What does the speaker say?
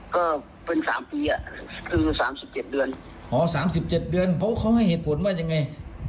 ก็เป็นสามปีคือสามสิบเจ็ดเดือนอ๋อสามสิบเจ็ดเดือนเขาให้เหตุผลว่ายังไง